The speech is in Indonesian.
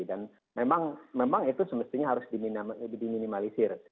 dan memang itu semestinya harus diminimalisir